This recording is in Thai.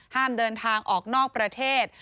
ห้ามเดินทางออกนอกประเทศ